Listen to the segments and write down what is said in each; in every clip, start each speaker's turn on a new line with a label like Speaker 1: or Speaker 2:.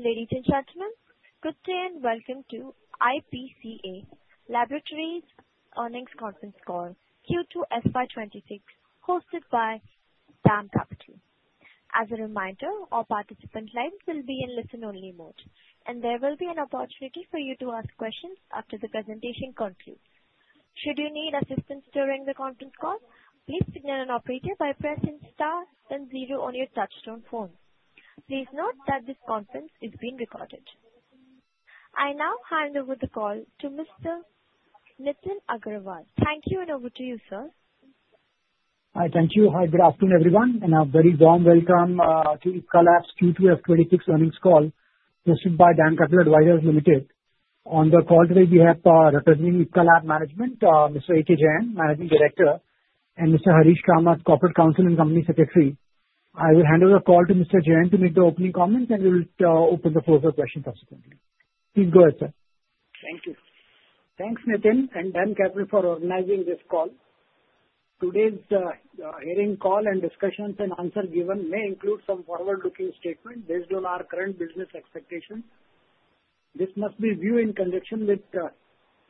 Speaker 1: Ladies and gentlemen, good day and welcome to Ipca Laboratories earnings call, Q2 FY 2026, hosted by Dam Capital. As a reminder, all participants' lines will be in listen-only mode, and there will be an opportunity for you to ask questions after the presentation concludes. Should you need assistance during the conference call, please signal an operator by pressing star then zero on your touchstone phone. Please note that this conference is being recorded. I now hand over the call to Mr. Nitin Agarwal. Thank you, and over to you, sir.
Speaker 2: Hi, thank you. Hi, good afternoon, everyone. And a very warm welcome to Ipca Laboratories Q2 FY 2026 earnings call, hosted by Dam Capital Advisors Limited. On the call today, we have representing Ipca Laboratories management, Mr. Ajit Kumar Jain, Managing Director, and Mr. Harish Kamath, Corporate Counsel and Company Secretary. I will hand over the call to Mr. Jain to make the opening comments, and we'll open the floor for questions subsequently. Please go ahead, sir.
Speaker 3: Thank you. Thanks, Nitin and DAM Capital, for organizing this call. Today's hearing call and discussions and answers given may include some forward-looking statements based on our current business expectations. This must be viewed in conjunction with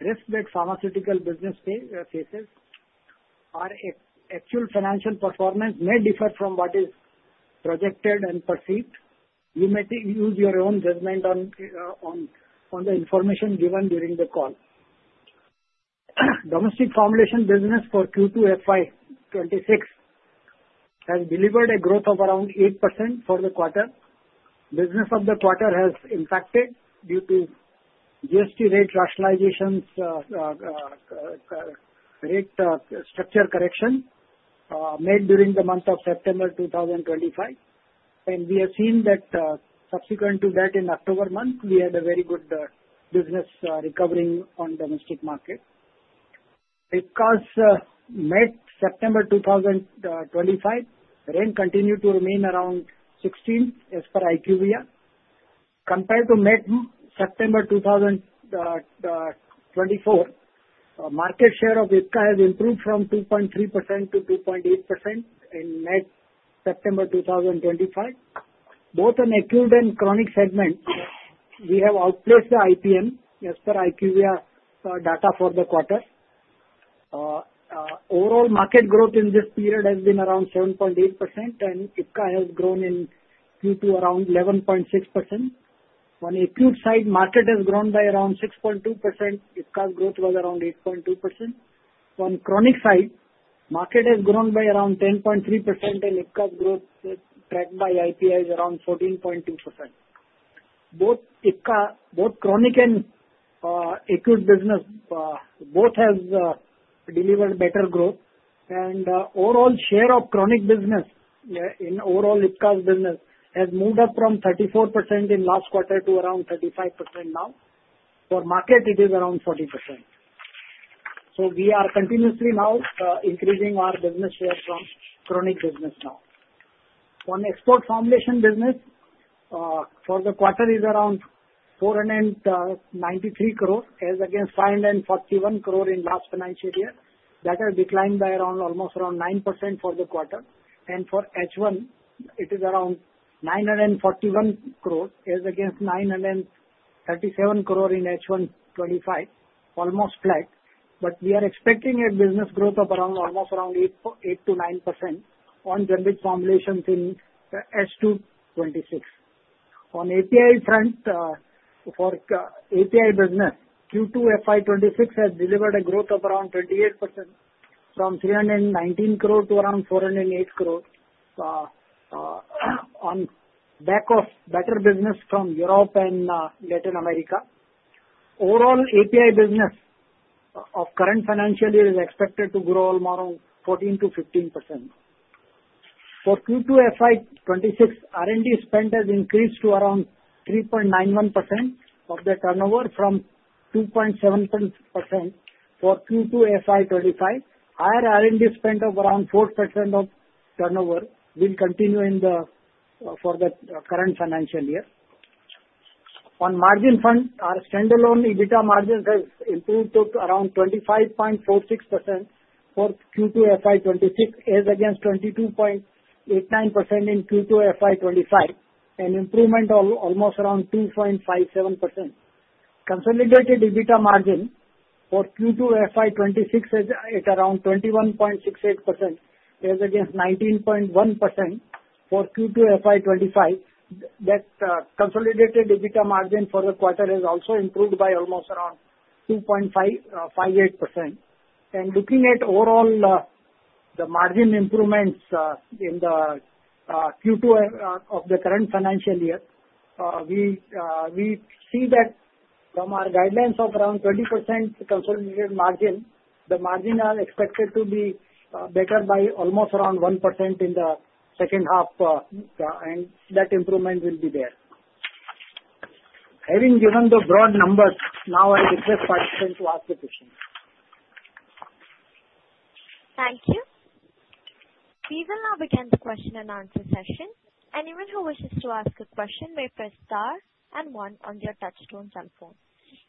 Speaker 3: risk that pharmaceutical business faces. Our actual financial performance may differ from what is projected and perceived. You may use your own judgment on the information given during the call. Domestic formulation business for Q2 FY 2026 has delivered a growth of around 8% for the quarter. Business of the quarter has impacted due to GST rate rationalizations, rate structure correction made during the month of September 2025. We have seen that subsequent to that, in October month, we had a very good business recovering on domestic market. Ipca's MAT September 2025 range continued to remain around 16 as per IQVIA. Compared to MAT September 2024, market share of Ipca has improved from 2.3% to 2.8% in MAT September 2025. Both in acute and chronic segments, we have outpaced the IPM as per IQVIA data for the quarter. Overall, market growth in this period has been around 7.8%, and Ipca has grown in Q2 around 11.6%. On the acute side, market has grown by around 6.2%. Ipca's growth was around 8.2%. On the chronic side, market has grown by around 10.3%, and Ipca's growth tracked by IPM is around 14.2%. Both chronic and acute business both have delivered better growth. Overall, share of chronic business in overall Ipca's business has moved up from 34% in last quarter to around 35% now. For market, it is around 40%. We are continuously now increasing our business share from chronic business now. On export formulation business, for the quarter, it is around 493 crore as against 541 crore in last financial year. That has declined by almost around 9% for the quarter. For H1, it is around 941 crore as against 937 crore in H1 2025, almost flat. We are expecting a business growth of almost around 8%-9% on generic formulations in H2 2026. On the API front, for API business, Q2 FY 2026 has delivered a growth of around 28% from 319 crore to around 408 crore on back of better business from Europe and Latin America. Overall, API business of current financial year is expected to grow more of 14%-15%. For Q2 FY 2026, R&D spend has increased to around 3.91% of the turnover from 2.7% for Q2 FY 2025. Higher R&D spend of around 4% of turnover will continue for the current financial year. On margin fund, our standalone EBITDA margins have improved to around 25.46% for Q2 FY 2026 as against 22.89% in Q2 FY 2025, an improvement of almost around 2.57%. Consolidated EBITDA margin for Q2 FY 2026 is at around 21.68% as against 19.1% for Q2 FY 2025. That consolidated EBITDA margin for the quarter has also improved by almost around 2.58%. Looking at overall, the margin improvements in the Q2 of the current financial year, we see that from our guidelines of around 20% consolidated margin, the margin is expected to be better by almost around 1% in the second half, and that improvement will be there. Having given the broad numbers, now I request participants to ask the questions.
Speaker 1: Thank you. We will now begin the question and answer session. Anyone who wishes to ask a question may press star and one on your touchstone cell phone.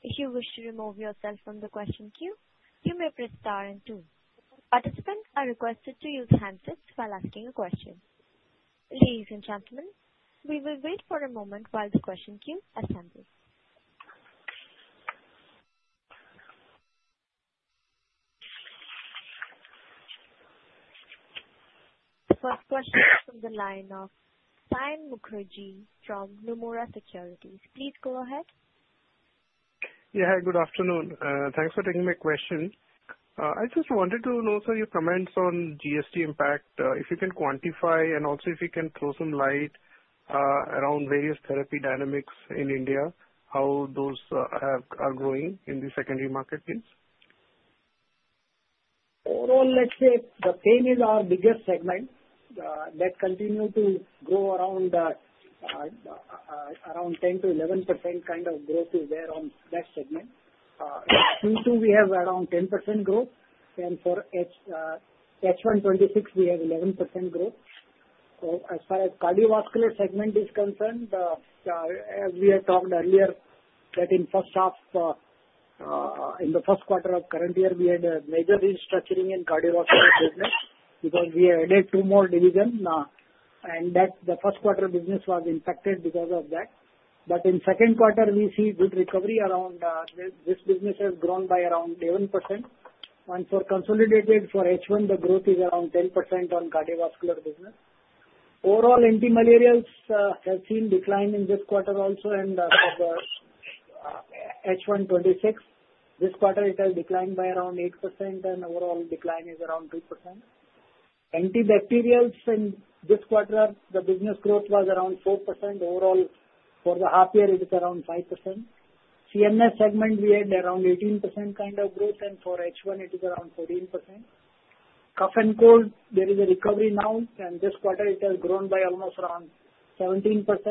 Speaker 1: If you wish to remove yourself from the question queue, you may press star and two. Participants are requested to use handsets while asking a question. Ladies and gentlemen, we will wait for a moment while the question queue assembles. The first question is from the line of Sayan Mukherjee from Nomura Securities. Please go ahead.
Speaker 4: Yeah, hi, good afternoon. Thanks for taking my question. I just wanted to know, sir, your comments on GST impact, if you can quantify and also if you can throw some light around various therapy dynamics in India, how those are growing in the secondary market, please.
Speaker 3: Overall, let's say the pain is our biggest segment. That continues to grow around 10%-11% kind of growth is there on that segment. Q2, we have around 10% growth. For H1 2026, we have 11% growth. As far as cardiovascular segment is concerned, as we had talked earlier, in the first quarter of current year, we had a major restructuring in cardiovascular business because we added two more divisions. The first quarter business was impacted because of that. In second quarter, we see good recovery. This business has grown by around 11%. For consolidated, for H1, the growth is around 10% on cardiovascular business. Overall, anti-malarials have seen decline in this quarter also. For H1 2026, this quarter, it has declined by around 8%. Overall, decline is around 2%. Antibacterials in this quarter, the business growth was around 4%. Overall, for the half year, it is around 5%. CNS segment, we had around 18% kind of growth. For H1, it is around 14%. Cough and cold, there is a recovery now. This quarter, it has grown by almost around 17%. For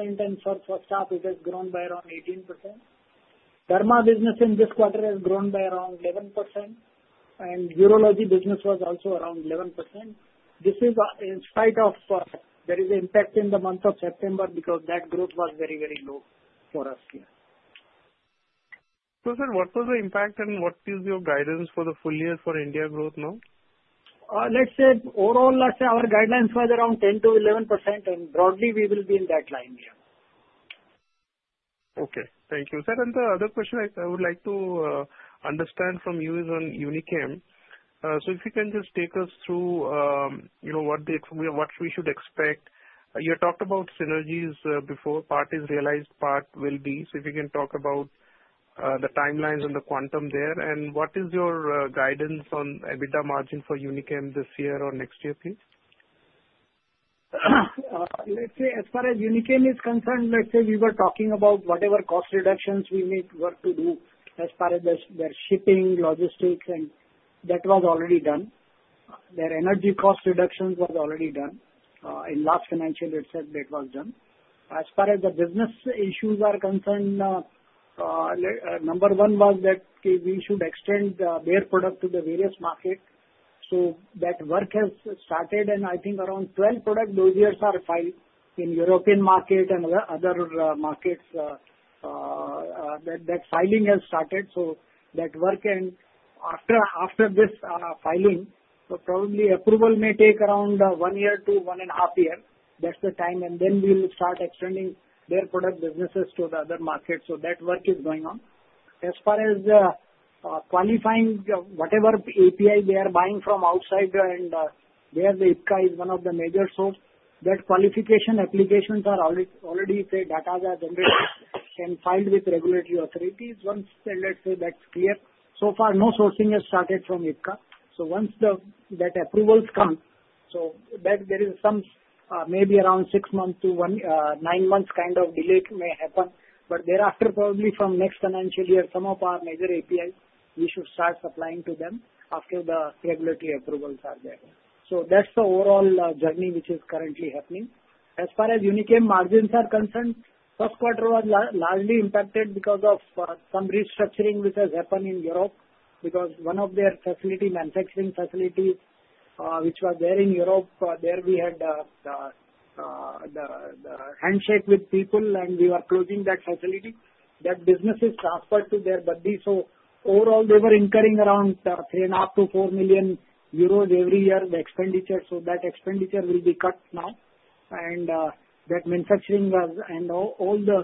Speaker 3: the first half, it has grown by around 18%. Pharma business in this quarter has grown by around 11%. Urology business was also around 11%. This is in spite of there is an impact in the month of September because that growth was very, very low for us here.
Speaker 4: Sir, what was the impact and what is your guidance for the full year for India growth now?
Speaker 3: Let's say overall, let's say our guidelines was around 10%-11%. And broadly, we will be in that line here.
Speaker 4: Okay. Thank you, sir. The other question I would like to understand from you is on Unichem. If you can just take us through what we should expect. You talked about synergies before, part is realized, part will be. If you can talk about the timelines and the quantum there. What is your guidance on EBITDA margin for Unichem this year or next year, please?
Speaker 3: Let's say as far as Unichem is concerned, let's say we were talking about whatever cost reductions we need to do as far as their shipping, logistics, and that was already done. Their energy cost reductions were already done. In last financial, it said that was done. As far as the business issues are concerned, number one was that we should extend their product to the various markets. That work has started. I think around 12 product dossiers are filed in European market and other markets. That filing has started. That work, and after this filing, probably approval may take around one year to one and a half years. That's the time. Then we will start extending their product businesses to the other markets. That work is going on. As far as qualifying whatever API they are buying from outside, and where Ipca is one of the major sources, that qualification applications are already data, they are generated and filed with regulatory authorities. Once they, let's say, that's clear. So far, no sourcing has started from Ipca. Once that approvals come, there is some maybe around six months to nine months kind of delay may happen. Thereafter, probably from next financial year, some of our major APIs, we should start supplying to them after the regulatory approvals are there. That's the overall journey which is currently happening. As far as Unichem margins are concerned, first quarter was largely impacted because of some restructuring which has happened in Europe because one of their facilities, manufacturing facilities, which was there in Europe, there we had the handshake with people, and we were closing that facility. That business is transferred to their buddy. Overall, they were incurring around 3.5 million-4 million euros every year, the expenditure. That expenditure will be cut now. That manufacturing and all the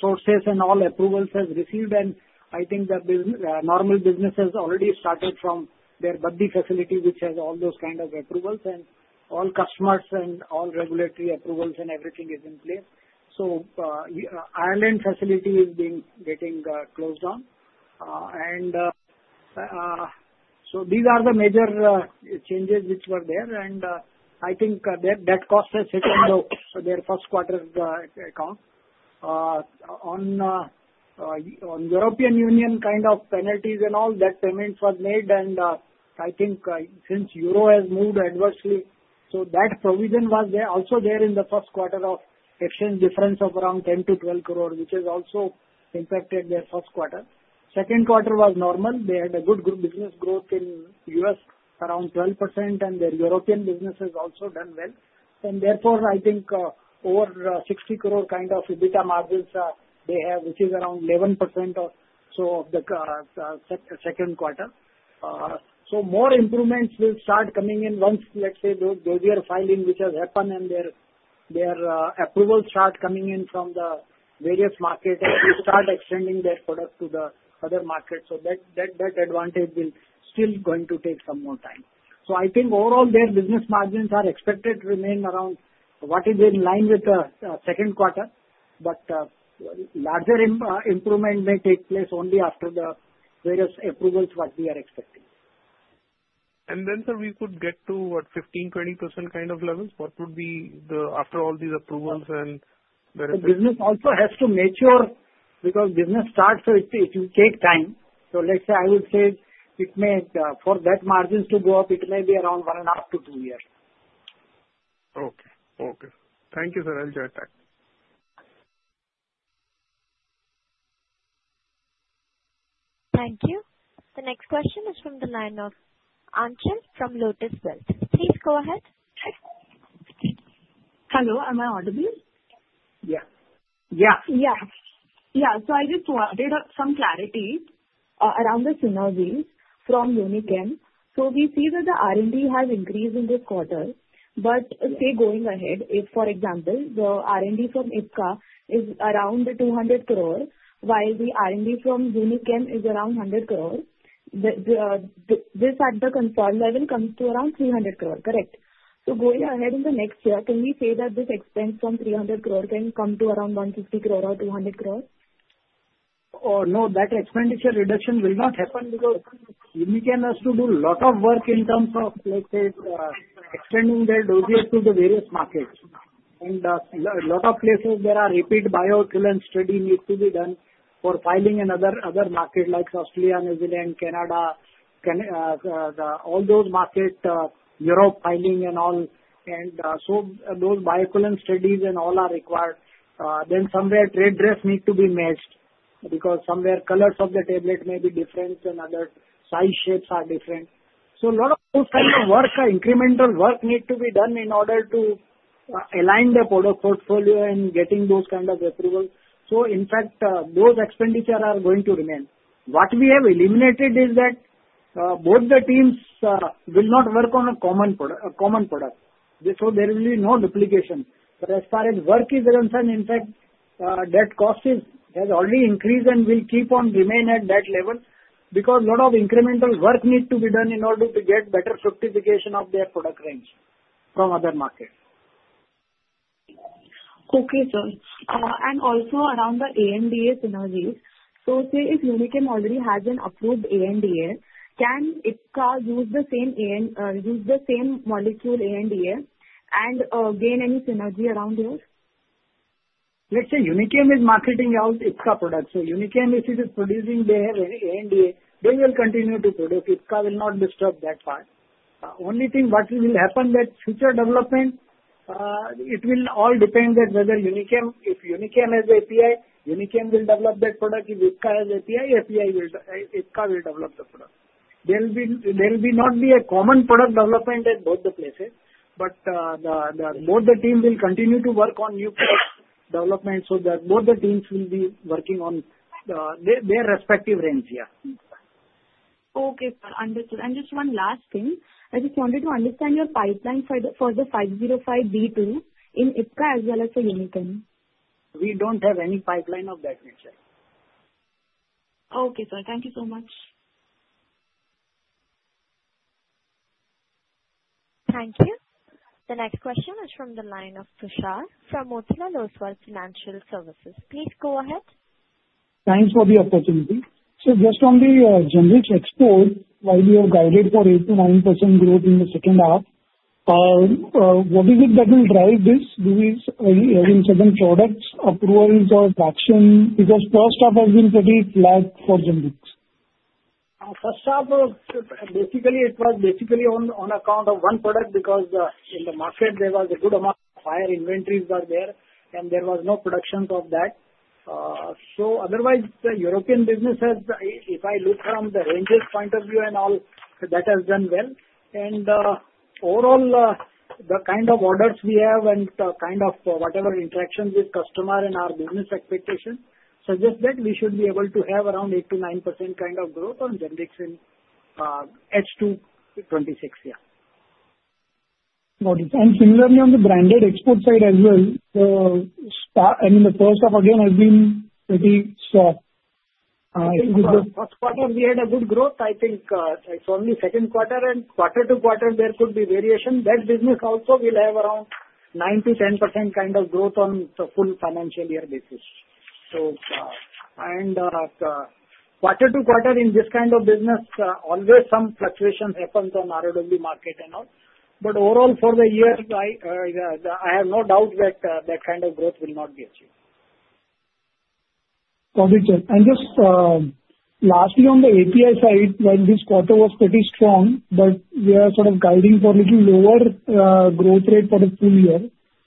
Speaker 3: sources and all approvals have received. I think the normal business has already started from their buddy facility, which has all those kind of approvals. All customers and all regulatory approvals and everything is in place. Ireland facility is being getting closed down. These are the major changes which were there. I think that cost has hit on their first quarter account. On European Union kind of penalties and all, that payment was made. I think since EUR has moved adversely, that provision was also there in the first quarter of exchange difference of around 10 crore-12 crore, which has also impacted their first quarter. The second quarter was normal. They had a good business growth in the U.S., around 12%. Their European business has also done well. I think over 60 crore kind of EBITDA margins they have, which is around 11% or so of the second quarter. More improvements will start coming in once, let's say, those dossier filing which has happened and their approvals start coming in from the various markets and they start extending their product to the other markets. That advantage is still going to take some more time. I think overall, their business margins are expected to remain around what is in line with the second quarter. Larger improvement may take place only after the various approvals what we are expecting.
Speaker 4: Sir, we could get to what, 15%-20% kind of levels? What would be the after all these approvals and verifying?
Speaker 3: The business also has to mature because business starts, so it will take time. I would say it may, for that margins to go up, it may be around one and a half to two years.
Speaker 4: Okay. Okay. Thank you, sir. I'll join that.
Speaker 1: Thank you. The next question is from the line of Anchil from Lotus Wealth. Please go ahead.
Speaker 5: Hello. Am I audible?
Speaker 3: Yeah. Yeah.
Speaker 5: Yeah. Yeah. I just wanted some clarity around the synergy from Unichem. We see that the R&D has increased in this quarter. If, for example, the R&D from Ipca is around 200 crore, while the R&D from Unichem is around 100 crore, this at the consolidated level comes to around 300 crore, correct? Going ahead in the next year, can we say that this expense from 300 crore can come to around 150 crore or 200 crore?
Speaker 3: No, that expenditure reduction will not happen because Unichem has to do a lot of work in terms of, let's say, extending their dossiers to the various markets. In a lot of places, there are repeat bioequivalence studies that need to be done for filing in other markets like Australia, New Zealand, Canada, all those markets, Europe filing and all. Those bioequivalence studies and all are required. Somewhere trade dress needs to be matched because somewhere colors of the tablet may be different and other size shapes are different. A lot of those kinds of work, incremental work, need to be done in order to align the product portfolio and getting those kinds of approvals. In fact, those expenditures are going to remain. What we have eliminated is that both the teams will not work on a common product. There will be no duplication. As far as work is concerned, in fact, that cost has already increased and will keep on remaining at that level because a lot of incremental work need to be done in order to get better fructification of their product range from other markets.
Speaker 5: Okay, sir. Also, around the NDA synergies, so say if Unichem already has an approved NDA, can Ipca use the same molecule NDA and gain any synergy around here?
Speaker 3: Let's say Unichem is marketing out Ipca products. So Unichem, if it is producing their NDA, they will continue to produce. Ipca will not disturb that part. Only thing what will happen that future development, it will all depend that whether Unichem, if Unichem has API, Unichem will develop that product. If Ipca has API, Ipca will develop the product. There will not be a common product development at both the places. But both the team will continue to work on new product development so that both the teams will be working on their respective range. Yeah.
Speaker 5: Okay, sir. Understood. Just one last thing. I just wanted to understand your pipeline for the 505(b)(2) in Ipca as well as for Unichem.
Speaker 3: We don't have any pipeline of that nature.
Speaker 5: Okay, sir. Thank you so much.
Speaker 1: Thank you. The next question is from the line of Prashad from Motilal Oswal Financial Services. Please go ahead.
Speaker 6: Thanks for the opportunity. Just on the generic export, while we are guided for 8%-9% growth in the second half, what is it that will drive this? Do we have any certain product approvals or traction? Because first half has been pretty flat for generics.
Speaker 3: First half, basically, it was basically on account of one product because in the market, there was a good amount of higher inventories were there, and there was no production of that. Otherwise, the European business has, if I look from the ranges point of view and all, that has done well. Overall, the kind of orders we have and kind of whatever interactions with customer and our business expectations suggest that we should be able to have around 8%-9% kind of growth on generics in H2 2026. Yeah.
Speaker 6: Got it. And similarly, on the branded export side as well, I mean, the first half again has been pretty soft.
Speaker 3: First quarter, we had a good growth. I think it's only second quarter, and quarter to quarter, there could be variation. That business also will have around 9%-10% kind of growth on the full financial year basis. Quarter to quarter, in this kind of business, always some fluctuation happens on ROW market and all. Overall, for the year, I have no doubt that that kind of growth will not be achieved.
Speaker 6: Got it, sir. Just lastly, on the API side, while this quarter was pretty strong, we are sort of guiding for a little lower growth rate for the full year.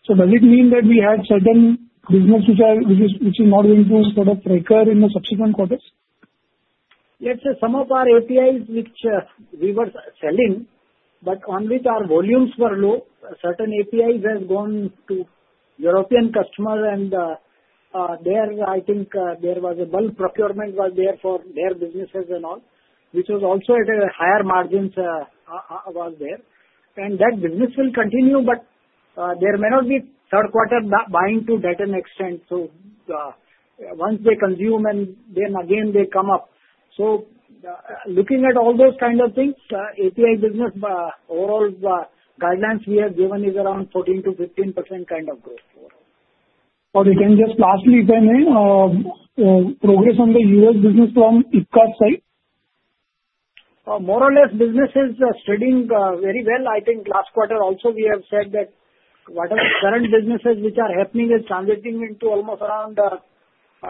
Speaker 6: Does it mean that we had certain businesses which are not going to sort of recur in the subsequent quarters?
Speaker 3: Yes. Some of our APIs which we were selling, but on which our volumes were low, certain APIs have gone to European customers. There, I think there was a bulk procurement for their businesses and all, which was also at higher margins. That business will continue, but there may not be third quarter buying to that extent. Once they consume and then again they come up. Looking at all those kind of things, API business, overall guidelines we have given is around 14%-15% kind of growth overall.
Speaker 6: Lastly, if I may, progress on the U.S. business from Ipca's side?
Speaker 3: More or less, business is trading very well. I think last quarter also we have said that whatever current businesses which are happening is translating into almost around 14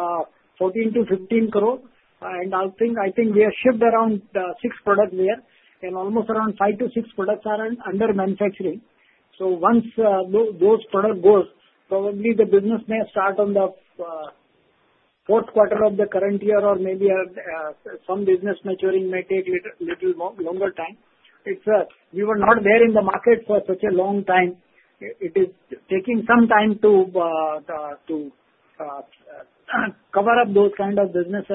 Speaker 3: crores-15 crores. I think we have shipped around six products there, and almost around five to six products are under manufacturing. Once those products goes, probably the business may start in the fourth quarter of the current year or maybe some business maturing may take a little longer time. We were not there in the market for such a long time. It is taking some time to cover up those kind of business.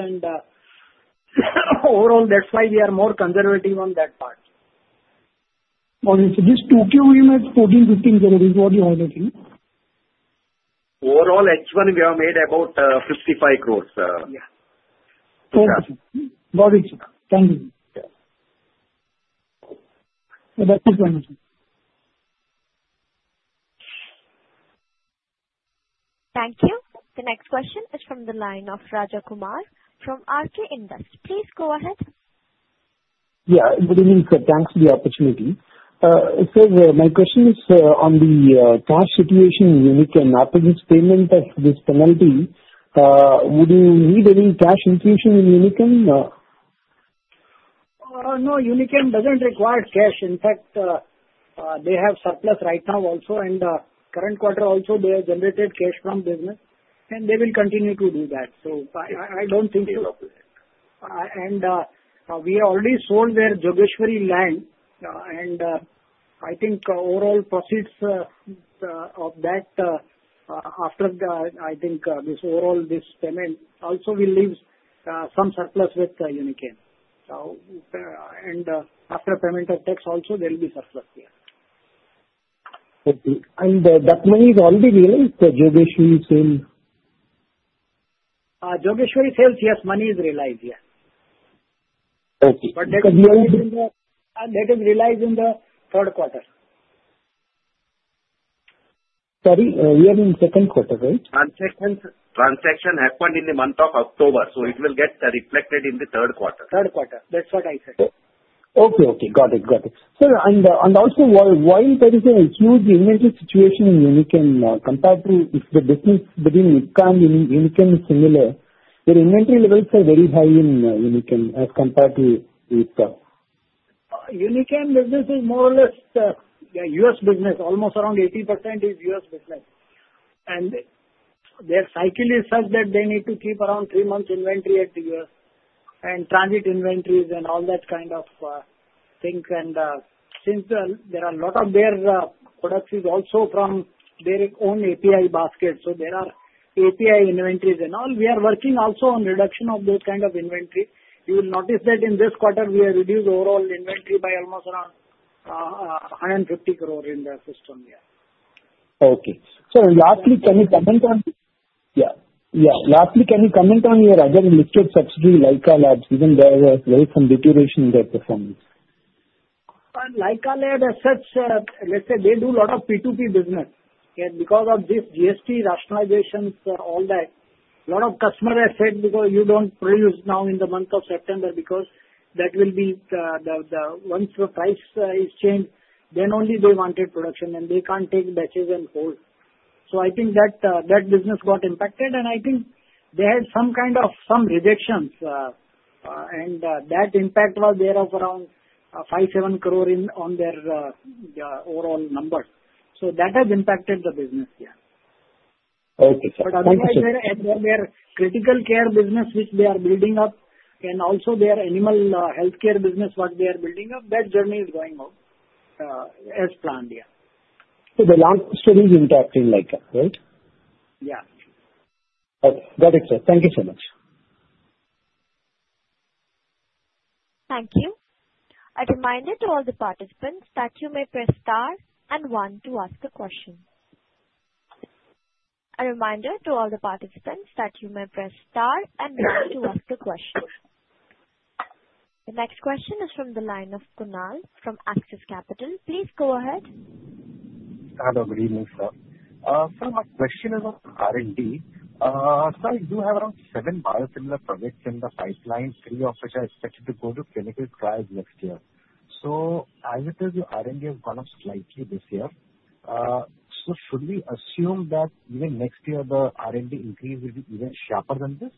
Speaker 3: Overall, that is why we are more conservative on that part.
Speaker 6: Got it. So this 2KOM at 14 crores-15 crorescrore is what you are making?
Speaker 7: Overall, H1, we have made about 55 crores.
Speaker 3: Yeah.
Speaker 6: Got it, sir. Thank you.
Speaker 3: Yeah.
Speaker 6: That's it, sir.
Speaker 1: Thank you. The next question is from the line of Rajakumar from RK Industry. Please go ahead.
Speaker 8: Yeah. Good evening, sir. Thanks for the opportunity. Sir, my question is on the cash situation in Unichem. After this payment of this penalty, would you need any cash infusion in Unichem?
Speaker 3: No, Unichem does not require cash. In fact, they have surplus right now also. In the current quarter also, they have generated cash from business, and they will continue to do that. I do not think so. We already sold their Jogeshwari land, and I think overall proceeds of that, after this overall payment also, will leave some surplus with Unichem. After payment of tax also, there will be surplus. Yeah.
Speaker 8: Okay. That money is already realized for Jogeshwari sale?
Speaker 3: Jogeshwari sales, yes, money is realized. Yeah.
Speaker 8: Okay. Because we are in the.
Speaker 3: That is realized in the third quarter.
Speaker 8: Sorry, we are in second quarter, right?
Speaker 7: Transaction happened in the month of October. It will get reflected in the third quarter.
Speaker 3: Third quarter. That's what I said.
Speaker 8: Okay. Okay. Got it. Got it. Sir, and also while there is a huge inventory situation in Unichem, compared to the business between Ipca and Unichem, it's similar. Their inventory levels are very high in Unichem as compared to Ipca.
Speaker 3: Unichem business is more or less U.S. business. Almost around 80% is U.S. business. Their cycle is such that they need to keep around three months inventory at the U.S. and transit inventories and all that kind of things. Since a lot of their products is also from their own API basket, there are API inventories and all. We are working also on reduction of those kind of inventory. You will notice that in this quarter, we have reduced overall inventory by almost around 150 crore in the system. Yeah.
Speaker 8: Okay. Sir, lastly, can you comment on? Yeah. Yeah. Lastly, can you comment on your other listed subsidiary like Unichem Lab? Even there was very some deterioration in their performance.
Speaker 3: Like our lab has such, let's say they do a lot of P2P business. Because of this GST rationalizations, all that, a lot of customer has said, "You don't produce now in the month of September because that will be the once the price is changed, then only they wanted production, and they can't take batches and hold." I think that business got impacted, and I think they had some kind of some rejections. That impact was there of around 5 crore-7 crore on their overall number. That has impacted the business. Yeah.
Speaker 8: Okay, sir. Thank you.
Speaker 3: Otherwise, their critical care business, which they are building up, and also their animal healthcare business, what they are building up, that journey is going up as planned. Yeah.
Speaker 8: The last study is impacting Lyka, right?
Speaker 3: Yeah.
Speaker 8: Okay. Got it, sir. Thank you so much.
Speaker 1: Thank you. A reminder to all the participants that you may press star and one to ask a question. The next question is from the line of Kunal from Axis Capital. Please go ahead.
Speaker 9: Hello. Good evening, sir. Sir, my question is on R&D. Sir, you have around seven biosimilar projects in the pipeline, three of which are expected to go to clinical trials next year. I will tell you R&D has gone up slightly this year. Should we assume that even next year the R&D increase will be even sharper than this?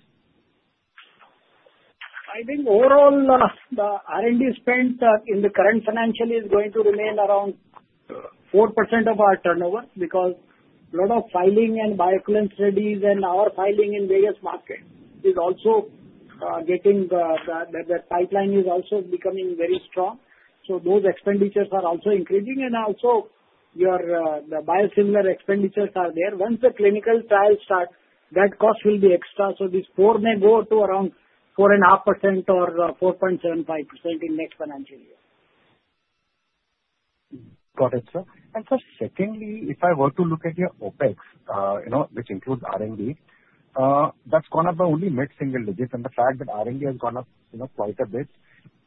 Speaker 3: I think overall the R&D spend in the current financial is going to remain around 4% of our turnover because a lot of filing and bioequivalence studies and our filing in various markets is also getting the pipeline is also becoming very strong. Those expenditures are also increasing. Also the biosimilar expenditures are there. Once the clinical trials start, that cost will be extra. This 4% may go to around 4.5% or 4.75% in next financial year.
Speaker 9: Got it, sir. Sir, secondly, if I were to look at your OpEx, which includes R&D, that has gone up by only mid-single digits. The fact that R&D has gone up quite a bit,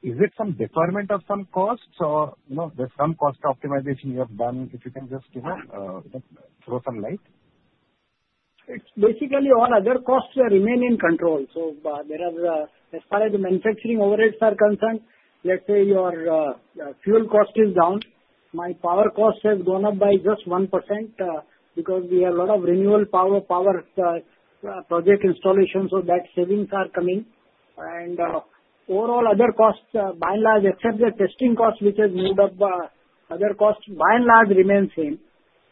Speaker 9: is it some deferment of some costs or is there some cost optimization you have done? If you can just throw some light.
Speaker 3: It's basically all other costs remain in control. As far as the manufacturing overheads are concerned, let's say your fuel cost is down. My power cost has gone up by just 1% because we have a lot of renewable power project installations. That savings are coming. Overall other costs, by and large, except the testing cost, which has moved up, other costs by and large remain same.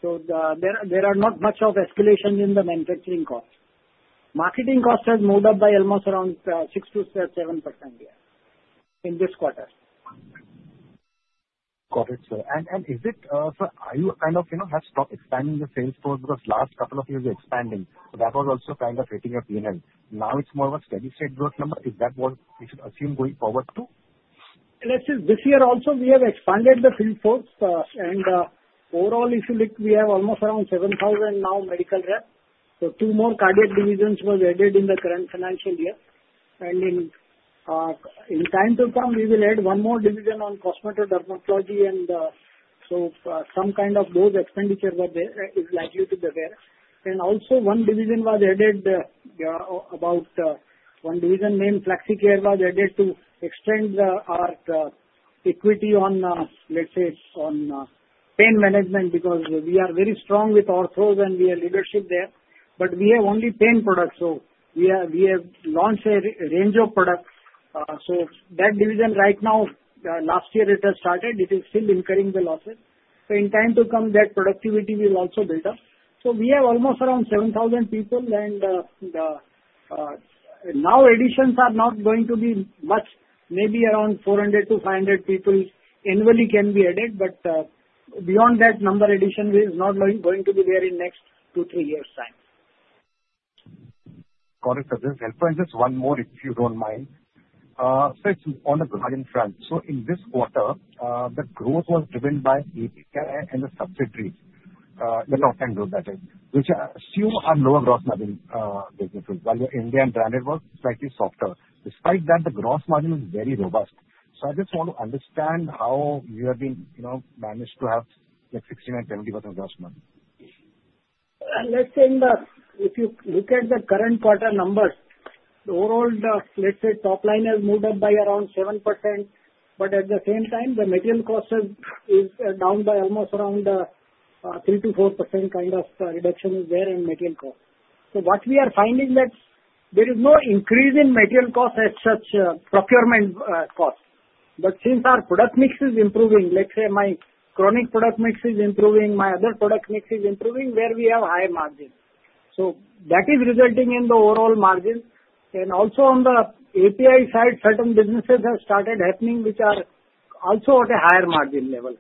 Speaker 3: There are not much of escalation in the manufacturing cost. Marketing cost has moved up by almost around 6%-7% in this quarter.
Speaker 9: Got it, sir. Is it, sir, are you kind of have stopped expanding the sales force because last couple of years you were expanding? That was also kind of hitting your P&L. Now it's more of a steady-state growth number. Is that what we should assume going forward too?
Speaker 3: Let's say this year also we have expanded the field force. Overall, if you look, we have almost around 7,000 now medical rep. Two more cardiac divisions were added in the current financial year. In time to come, we will add one more division on cosmeto-dermatology. Some kind of those expenditures were there, is likely to be there. Also, one division was added, one division named FLEXICARE was added to extend our equity on, let's say, on pain management because we are very strong with ortho and we have leadership there. We have only pain products, so we have launched a range of products. That division right now, last year it has started. It is still incurring the losses. In time to come, that productivity will also build up. We have almost around 7,000 people. Additions are not going to be much. Maybe around 400 people-500 people annually can be added. Beyond that number, addition is not going to be there in the next two to three years' time.
Speaker 9: Got it, sir. Just one more, if you do not mind. Sir, it is on the margin front. In this quarter, the growth was driven by API and the subsidiaries, the top 10 groups, that is, which I assume are lower gross margin businesses, while your India and Branded were slightly softer. Despite that, the gross margin is very robust. I just want to understand how you have been managed to have 69%-70% gross margin.
Speaker 3: Let's say if you look at the current quarter numbers, overall, let's say top line has moved up by around 7%. At the same time, the material cost is down by almost around 3%-4% kind of reduction is there in material cost. What we are finding is that there is no increase in material cost as such procurement cost. Since our product mix is improving, let's say my chronic product mix is improving, my other product mix is improving, where we have high margins. That is resulting in the overall margin. Also on the API side, certain businesses have started happening, which are also at a higher margin level.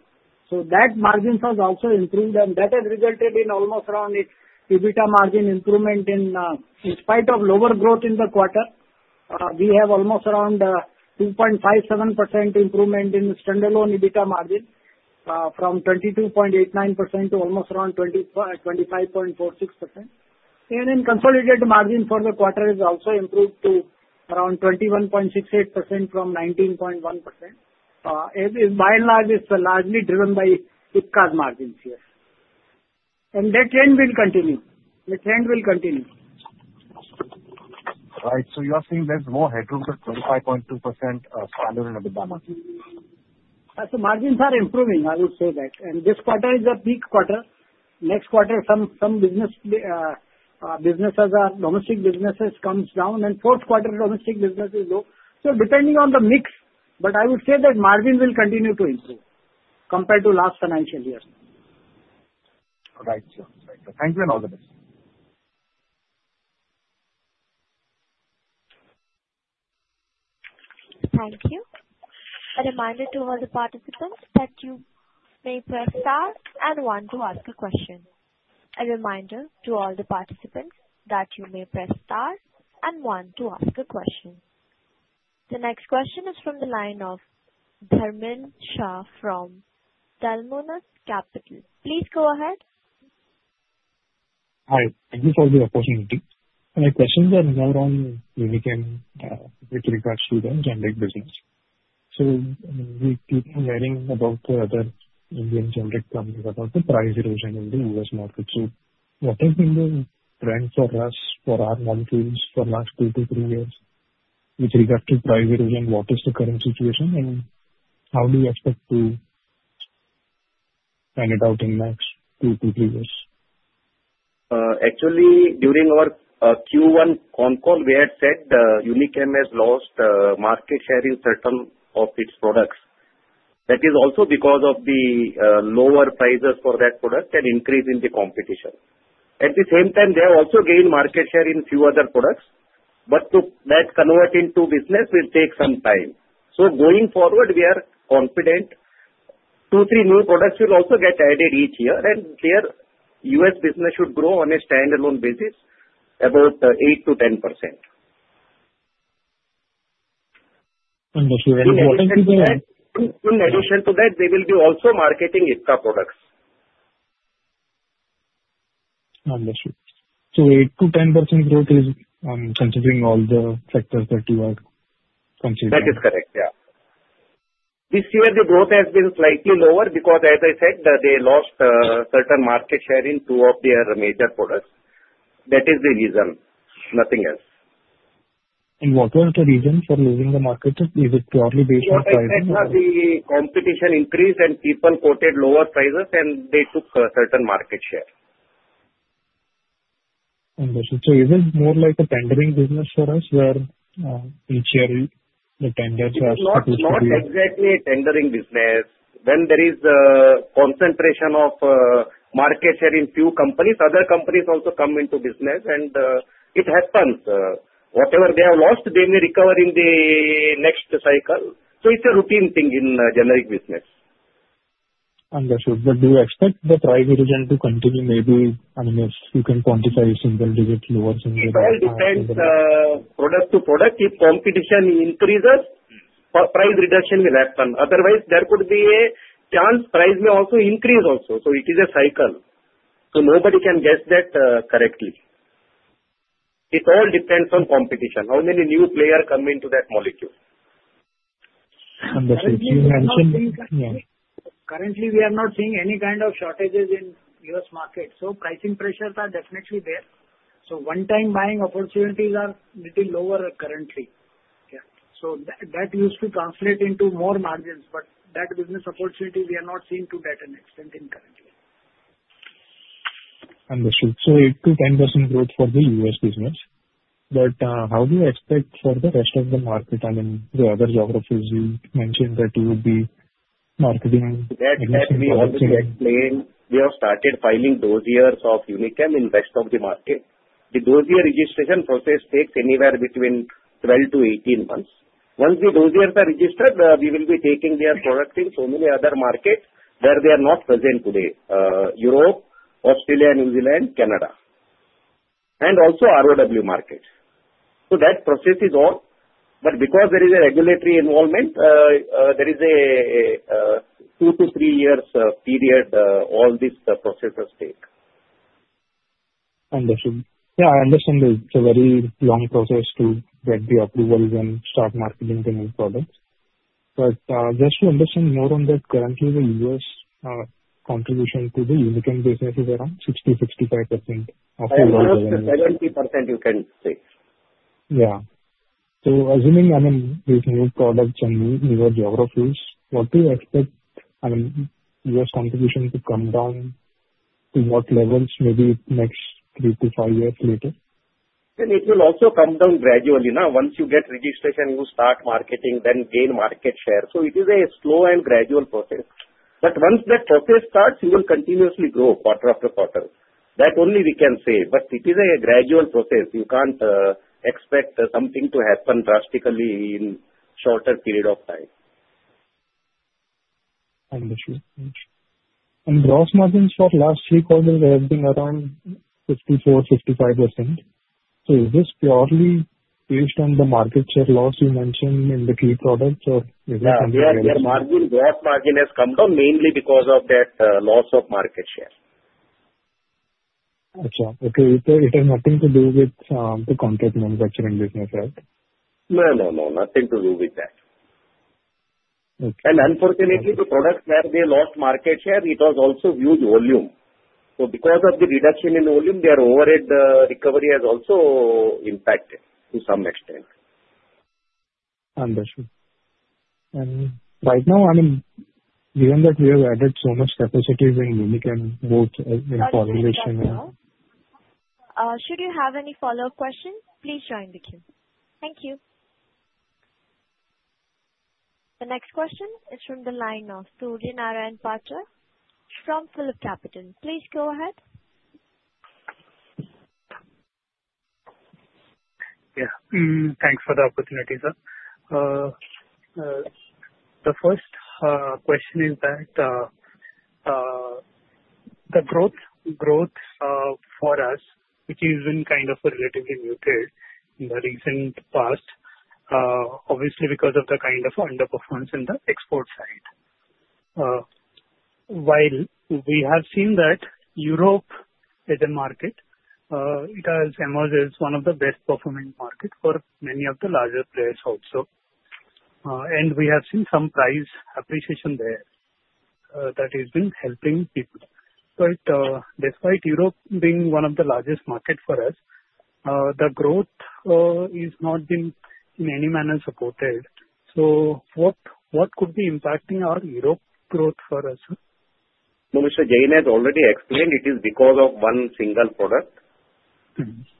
Speaker 3: That margin has also improved. That has resulted in almost around EBITDA margin improvement. In spite of lower growth in the quarter, we have almost around 2.57% improvement in standalone EBITDA margin from 22.89% to almost around 25.46%. The consolidated margin for the quarter has also improved to around 21.68% from 19.1%. By and large, it is largely driven by Ipca's margins here. That trend will continue. The trend will continue.
Speaker 9: Right. So you are saying there is more headroom to 25.2% standalone EBITDA margin?
Speaker 3: Margins are improving, I would say that. This quarter is a peak quarter. Next quarter, some businesses, domestic businesses, come down. Fourth quarter, domestic business is low. Depending on the mix, but I would say that margin will continue to improve compared to last financial year.
Speaker 10: Right. Thank you and all the best.
Speaker 1: Thank you. A reminder to all the participants that you may press star and one to ask a question. The next question is from the line of Dharmil Shah from Telmanas Capital. Please go ahead.
Speaker 11: Hi. Thank you for the opportunity. My questions are more on Unichem with regards to the generic business. We keep hearing about the other Indian generic companies about the price erosion in the U.S. market. What has been the trend for us, for our monthly reads for the last two to three years with regards to price erosion? What is the current situation? How do you expect to find it out in the next two to three years.
Speaker 7: Actually, during our Q1 phone call, we had said Unichem has lost market share in certain of its products. That is also because of the lower prices for that product and increase in the competition. At the same time, they have also gained market share in a few other products. To convert that into business will take some time. Going forward, we are confident two to three new products will also get added each year. Their U.S. business should grow on a standalone basis about 8%-10%.
Speaker 11: Understood. What is the?
Speaker 3: In addition to that, they will be also marketing Ipca products.
Speaker 11: Understood. So 8%-10% growth is considering all the factors that you are considering.
Speaker 7: That is correct. Yeah. This year, the growth has been slightly lower because, as I said, they lost certain market share in two of their major products. That is the reason. Nothing else.
Speaker 11: What was the reason for losing the market? Is it purely based on price?
Speaker 3: The competition increased and people quoted lower prices, and they took certain market share.
Speaker 11: Understood. Is it more like a tendering business for us where each year the tenders are?
Speaker 9: It's not exactly a tendering business. When there is a concentration of market share in few companies, other companies also come into business. It happens. Whatever they have lost, they may recover in the next cycle. It is a routine thing in generic business.
Speaker 11: Understood. Do you expect the price erosion to continue, maybe, unless you can quantify single digit, lower single digit?
Speaker 7: It all depends product to product. If competition increases, price reduction will happen. Otherwise, there could be a chance price may also increase. It is a cycle. Nobody can guess that correctly. It all depends on competition. How many new players come into that molecule?
Speaker 11: Understood. You mentioned.
Speaker 3: Currently, we are not seeing any kind of shortages in the U.S. market. Pricing pressures are definitely there. One-time buying opportunities are a little lower currently. Yeah, that used to translate into more margins. That business opportunity, we are not seeing to that extent currently.
Speaker 11: Understood. So 8%-10% growth for the U.S. business. But how do you expect for the rest of the market? I mean, the other geographies you mentioned that you would be marketing.
Speaker 7: That we have been playing. We have started filing dossiers of Unichem in the rest of the market. The dossier registration process takes anywhere between 12-18 months. Once the dossiers are registered, we will be taking their product in so many other markets where they are not present today: Europe, Australia, New Zealand, Canada, and also ROW market. That process is on. Because there is a regulatory involvement, there is a two to three years period all this processes take.
Speaker 11: Understood. Yeah, I understand it's a very long process to get the approvals and start marketing the new products. Just to understand more on that, currently the U.S. contribution to the Unichem business is around 60%-65% of the U.S. revenue.
Speaker 7: 70% you can say.
Speaker 11: Yeah. So assuming, I mean, with new products and newer geographies, what do you expect U.S. contribution to come down to what levels maybe next three to five years later?
Speaker 7: It will also come down gradually. Once you get registration, you start marketing, then gain market share. It is a slow and gradual process. Once that process starts, you will continuously grow quarter after quarter. That only we can say. It is a gradual process. You can't expect something to happen drastically in a shorter period of time.
Speaker 11: Understood. Gross margins for the last three quarters have been around 54%-55%. Is this purely based on the market share loss you mentioned in the key products, or is it something else?
Speaker 7: Yeah. Their gross margin has come down mainly because of that loss of market share.
Speaker 11: Gotcha. Okay. So it has nothing to do with the contract manufacturing business, right?
Speaker 7: No, no, no. Nothing to do with that. Unfortunately, the products where they lost market share, it was also huge volume. Because of the reduction in volume, their overhead recovery has also impacted to some extent.
Speaker 11: Understood. Right now, I mean, given that we have added so much capacity in Unichem, both in population and.
Speaker 1: Should you have any follow-up questions, please join the queue. Thank you. The next question is from the line of Surya Narayan Patra from Phillip Capital. Please go ahead.
Speaker 12: Yeah. Thanks for the opportunity, sir. The first question is that the growth for us, which has been kind of relatively muted in the recent past, obviously because of the kind of underperformance in the export side. While we have seen that Europe as a market, it has emerged as one of the best-performing markets for many of the larger players also. We have seen some price appreciation there that has been helping people. Despite Europe being one of the largest markets for us, the growth has not been in any manner supported. What could be impacting our Europe growth for us?
Speaker 7: No, Mr. Jain has already explained it is because of one single product.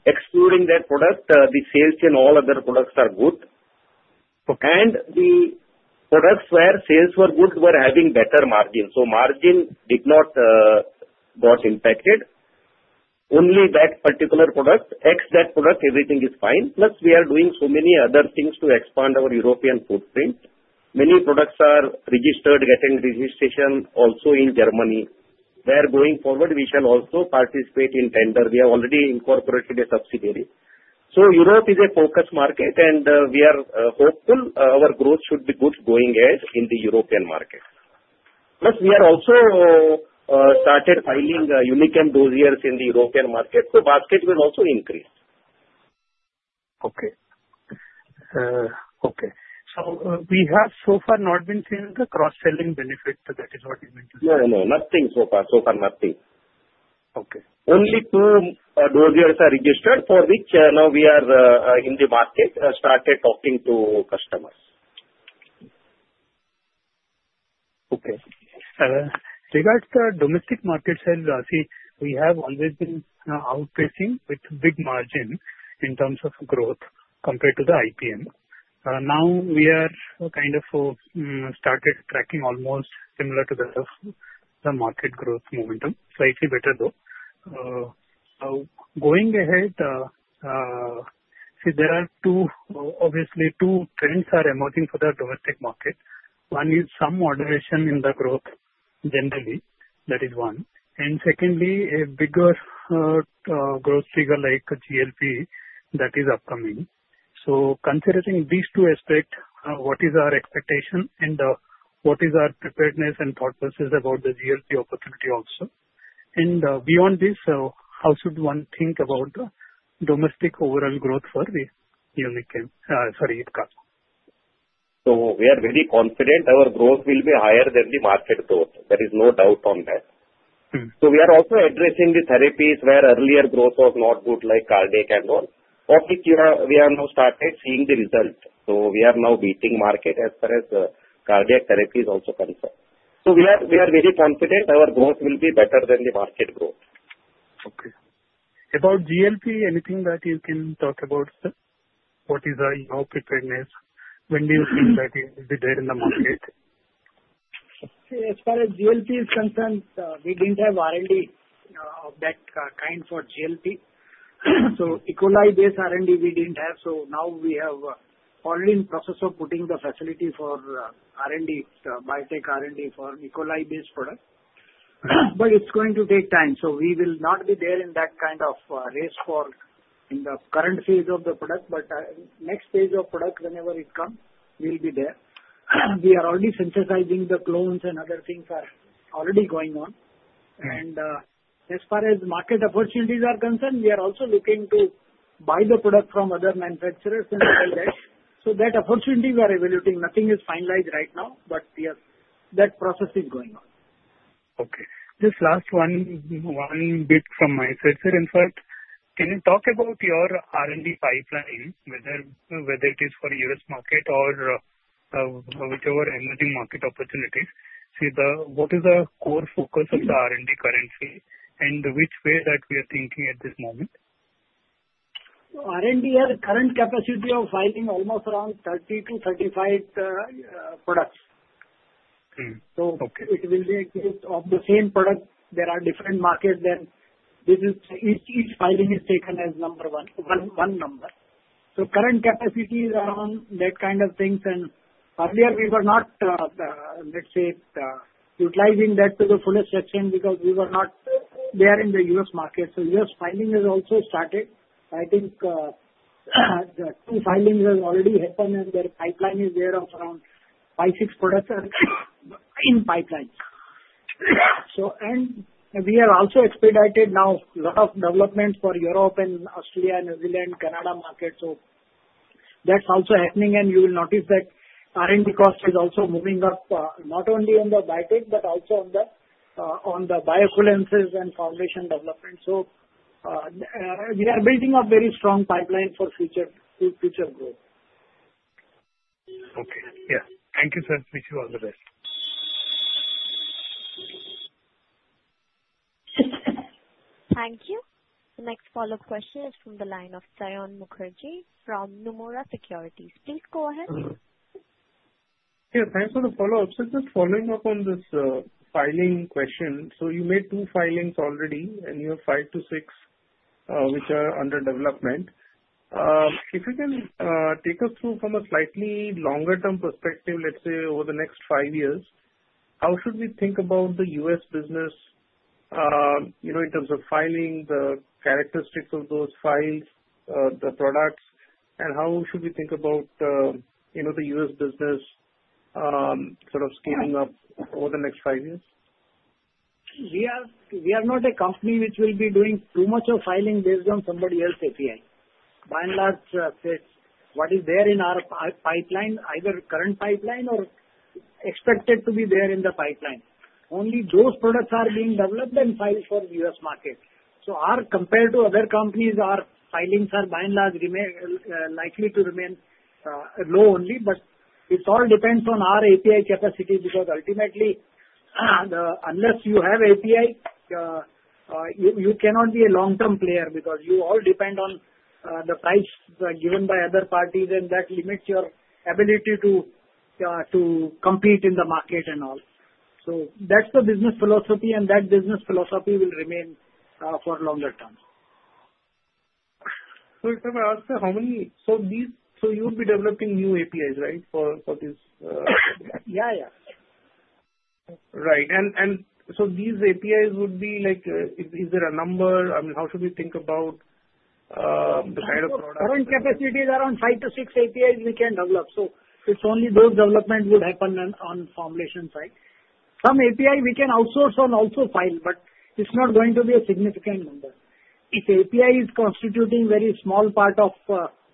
Speaker 7: Excluding that product, the sales in all other products are good. The products where sales were good were having better margins. Margin did not get impacted. Only that particular product, except that product, everything is fine. Plus, we are doing so many other things to expand our European footprint. Many products are registered, getting registration also in Germany. Where going forward, we shall also participate in tender. We have already incorporated a subsidiary. Europe is a focus market, and we are hopeful our growth should be good going ahead in the European market. Plus, we have also started filing Unichem dossiers in the European market. Basket will also increase.
Speaker 12: Okay. Okay. So we have so far not been seeing the cross-selling benefit. That is what you meant to say?
Speaker 7: No, no. Nothing so far. So far, nothing.
Speaker 12: Okay.
Speaker 7: Only two dossiers are registered for which now we are in the market, started talking to customers.
Speaker 12: Okay. Regards to domestic market sales, we have always been outpacing with big margin in terms of growth compared to the IPM. Now we have kind of started tracking almost similar to the market growth momentum. Slightly better, though. Going ahead, see, there are obviously two trends that are emerging for the domestic market. One is some moderation in the growth generally. That is one. And secondly, a bigger growth trigger like GLP that is upcoming. Considering these two aspects, what is our expectation and what is our preparedness and thought process about the GLP opportunity also? Beyond this, how should one think about domestic overall growth for the Ipca?
Speaker 7: We are very confident our growth will be higher than the market growth. There is no doubt on that. We are also addressing the therapies where earlier growth was not good like cardiac and all. Of it, we have now started seeing the result. We are now beating market as far as cardiac therapy is also concerned. We are very confident our growth will be better than the market growth.
Speaker 12: Okay. About GLP, anything that you can talk about, sir? What is your preparedness when you think that it will be there in the market?
Speaker 3: As far as GLP is concerned, we did not have R&D of that kind for GLP. E. coli-based R&D we did not have. We are already in the process of putting the facility for R&D, biotech R&D for E. coli-based products. It is going to take time. We will not be there in that kind of race in the current phase of the product. Next phase of product, whenever it comes, we will be there. We are already synthesizing the clones and other things are already going on. As far as market opportunities are concerned, we are also looking to buy the product from other manufacturers and all that. That opportunity we are evaluating. Nothing is finalized right now, but yes, that process is going on.
Speaker 12: Okay. Just last one bit from my side, sir. In fact, can you talk about your R&D pipeline, whether it is for US market or whichever emerging market opportunities? See, what is the core focus of the R&D currently and which way that we are thinking at this moment?
Speaker 3: R&D has a current capacity of filing almost around 30 products-35 products. It will be of the same product. There are different markets that each filing is taken as one number. Current capacity is around that kind of things. Earlier, we were not, let's say, utilizing that to the fullest extent because we were not there in the U.S. market. U.S. filing has also started. I think the two filings have already happened, and their pipeline is there of around five-six products in pipeline. We have also expedited now a lot of developments for Europe and Australia and New Zealand, Canada market. That is also happening. You will notice that R&D cost is also moving up, not only on the Biotech, but also on the biofluences and foundation development. We are building a very strong pipeline for future growth.
Speaker 12: Okay. Yeah. Thank you, sir. Wish you all the best.
Speaker 1: Thank you. The next follow-up question is from the line of Sayan Mukherjee from Nomura Securities. Please go ahead.
Speaker 4: Yeah. Thanks for the follow-up. Just following up on this filing question. You made two filings already, and you have five to six which are under development. If you can take us through from a slightly longer-term perspective, let's say over the next five years, how should we think about the U.S. business in terms of filing, the characteristics of those files, the products, and how should we think about the U.S. business sort of scaling up over the next five years?
Speaker 3: We are not a company which will be doing too much of filing based on somebody else's API. By and large, what is there in our pipeline, either current pipeline or expected to be there in the pipeline. Only those products are being developed and filed for the U.S. market. Compared to other companies, our filings are by and large likely to remain low only. It all depends on our API capacity because ultimately, unless you have API, you cannot be a long-term player because you all depend on the price given by other parties, and that limits your ability to compete in the market and all. That is the business philosophy, and that business philosophy will remain for longer terms.
Speaker 4: If I ask you, how many, so you would be developing new APIs, right, for this?
Speaker 3: Yeah, yeah.
Speaker 4: Right. And so these APIs would be like is there a number? I mean, how should we think about the kind of products?
Speaker 3: Current capacity is around five to six APIs we can develop. So it's only those developments will happen on the foundation side. Some API we can outsource and also file, but it's not going to be a significant number. If API is constituting a very small part of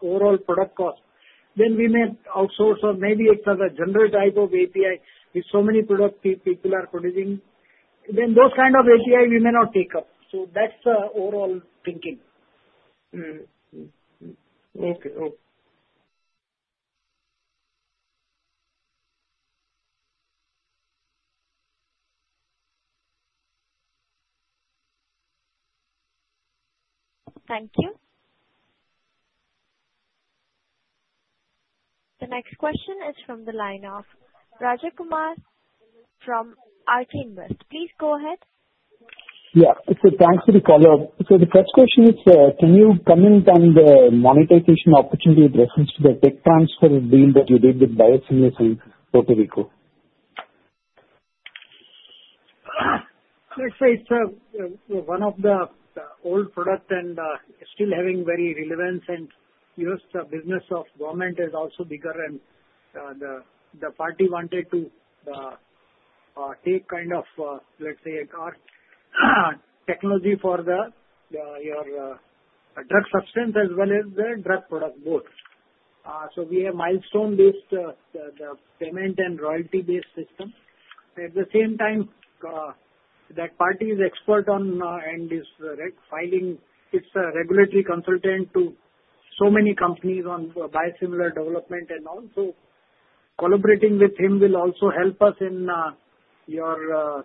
Speaker 3: overall product cost, then we may outsource or maybe it's a general type of API with so many products people are producing. Then those kinds of APIs we may not take up. So that's the overall thinking.
Speaker 4: Okay. Okay.
Speaker 1: Thank you. The next question is from the line of Rajak Kumar from Ajay Invest. Please go ahead.
Speaker 13: Yeah. Thanks for the follow-up. The first question is, can you comment on the monetization opportunity with reference to the tech transfer deal that you did with BioSimilar in Puerto Rico?
Speaker 3: Let's say it's one of the old products and still having very relevance. The U.S. business of government is also bigger, and the party wanted to take kind of, let's say, technology for your drug substance as well as the drug product both. We have milestone-based payment and royalty-based system. At the same time, that party is expert on NDA and is filing. It's a regulatory consultant to so many companies on biosimilar development and all. Collaborating with him will also help us in your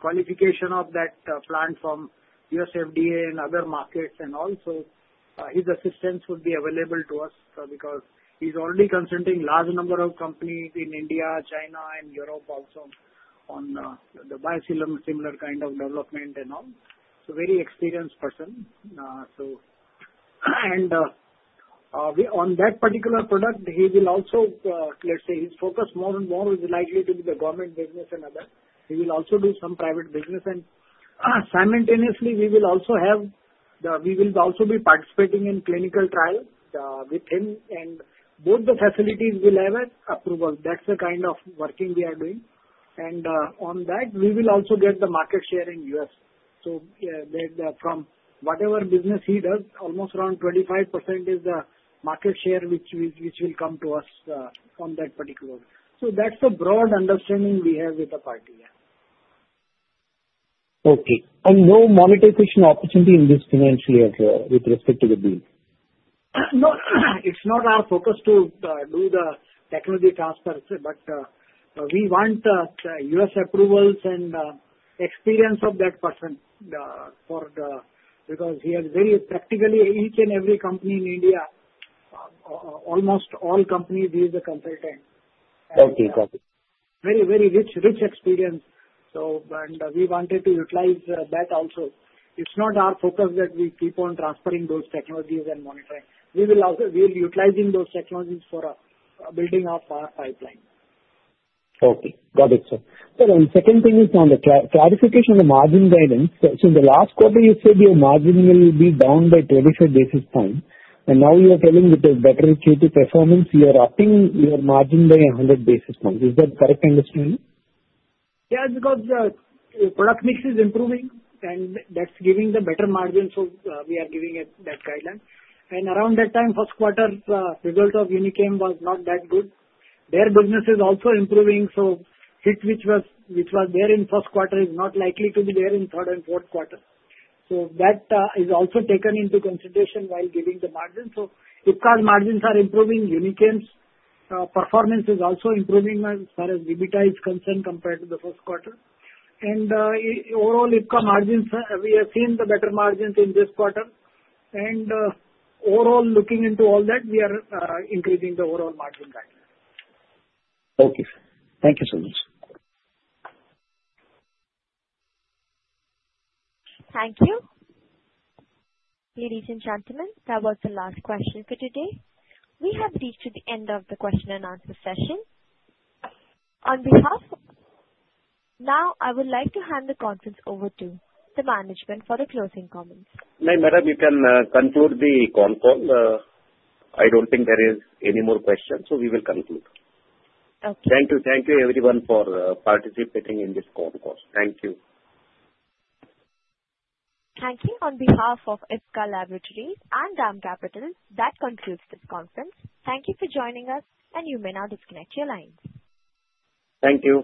Speaker 3: qualification of that plant from U.S. FDA and other markets and all. His assistance would be available to us because he's already consulting a large number of companies in India, China, and Europe also on the biosimilar kind of development and all. Very experienced person. On that particular product, he will also, let's say, his focus more and more is likely to be the government business and other. He will also do some private business. Simultaneously, we will also be participating in clinical trials with him. Both the facilities will have approval. That is the kind of working we are doing. On that, we will also get the market share in the U.S. From whatever business he does, almost around 25% is the market share which will come to us on that particular. That is the broad understanding we have with the party. Yeah.
Speaker 13: Okay. No monetization opportunity in this financial area with respect to the deal?
Speaker 3: No. It's not our focus to do the technology transfer, but we want U.S. approvals and experience of that person because he has very practically each and every company in India, almost all companies, he is a consultant.
Speaker 13: Okay. Got it.
Speaker 3: Very, very rich experience. We wanted to utilize that also. It is not our focus that we keep on transferring those technologies and monitoring. We will utilize those technologies for building up our pipeline.
Speaker 13: Okay. Got it, sir. Second thing is on the clarification of the margin guidance. In the last quarter, you said your margin will be down by 25 basis points. Now you are telling it is better due to performance. You are upping your margin by 100 basis points. Is that correct understanding?
Speaker 3: Yeah, because the product mix is improving, and that's giving the better margin. We are giving that guideline. Around that time, first quarter result of Unichem was not that good. Their business is also improving. The hit which was there in first quarter is not likely to be there in third and fourth quarter. That is also taken into consideration while giving the margin. Ipca's margins are improving. Unichem's performance is also improving as far as EBITDA is concerned compared to the first quarter. Overall, Ipca's margins, we have seen the better margins in this quarter. Overall, looking into all that, we are increasing the overall margin guidelines
Speaker 13: Okay. Thank you, sir.
Speaker 1: Thank you. Ladies and gentlemen, that was the last question for today. We have reached the end of the question and answer session. Now, I would like to hand the conference over to the management for the closing comments.
Speaker 7: No, madam, you can conclude the conference. I do not think there is any more questions, so we will conclude. Thank you. Thank you, everyone, for participating in this conference. Thank you.
Speaker 1: Thank you. On behalf of Ipca Laboratories and Dam Capital, that concludes this conference. Thank you for joining us, and you may now disconnect your lines.
Speaker 7: Thank you.